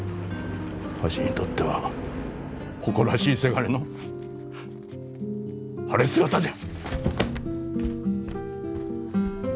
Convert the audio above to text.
わしにとっては誇らしいせがれの晴れ姿じゃ。